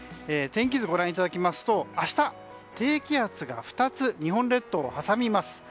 天気図をご覧いただきますと明日、低気圧が２つ日本列島を挟みます。